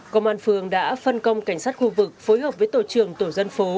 công an phường đã phân công cảnh sát khu vực phối hợp với tổ trường tổ dân phố